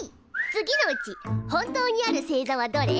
次のうち本当にある星座はどれ？